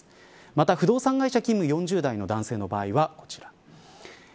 また、不動産会社勤務４０代の男性の場合はこちら。